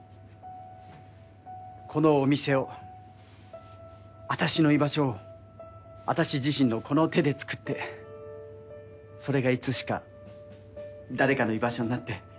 このお店をあたしの居場所をあたし自身のこの手でつくってそれがいつしか誰かの居場所になって。